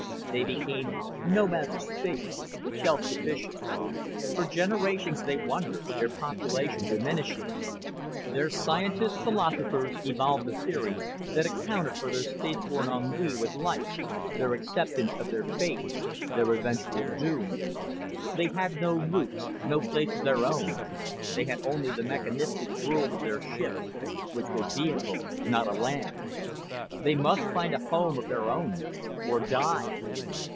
They became nomads of space, self sufficient. For generations they wandered, their population diminishing. Their scientist philosophers evolved the theory that accounted for their spaceborn ennui with life, their acceptance of their fate, their eventual doom. They had no roots, no place of their own. They had only the mechanistic world of their ships which were vehicles, not a land. They must find a home of their own, or die.